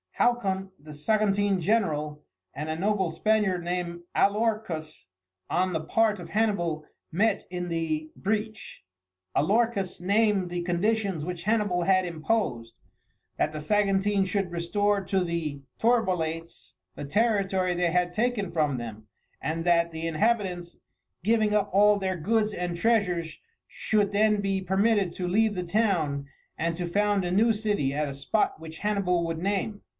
Halcon, the Saguntine general, and a noble Spaniard named Alorcus, on the part of Hannibal, met in the breach. Alorcus named the conditions which Hannibal had imposed that the Saguntines should restore to the Torbolates the territory they had taken from them, and that the inhabitants, giving up all their goods and treasures, should then be permitted to leave the town and to found a new city at a spot which Hannibal would name.